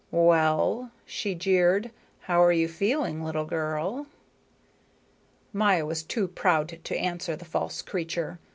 "Well?" she jeered. "How are you feeling, little girl?" Maya was too proud to answer the false creature.